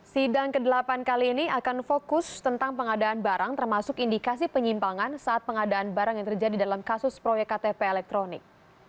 sidang ke delapan kali ini akan fokus tentang pengadaan barang termasuk indikasi penyimpangan saat pengadaan barang yang terjadi dalam kasus proyek ktp elektronik